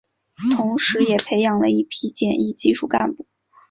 同时也培养了一批检疫技术干部。